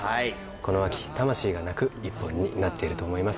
この秋魂が泣く１本になっていると思います